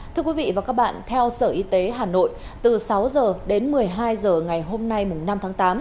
thưa quý vị và các bạn theo sở y tế hà nội từ sáu h đến một mươi hai h ngày hôm nay năm tháng tám